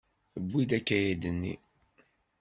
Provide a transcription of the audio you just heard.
Tewwi-d akayad-nni.